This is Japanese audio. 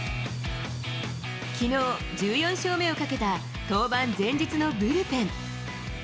きのう、１４勝目をかけた登板前日のブルペン。